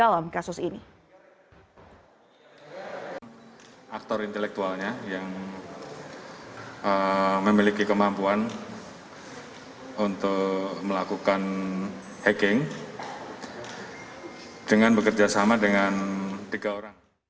baras krimpolri juga berperan sebagai aktor intelektual dalam kasus ini